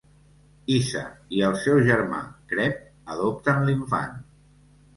Iza i el seu germà Creb adopten l'infant.